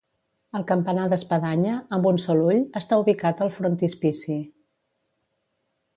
El campanar d'espadanya, amb un sol ull, està ubicat al frontispici.